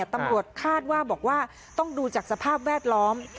ตำรวจคาดว่าบอกว่าต้องดูจากสภาพแวดล้อม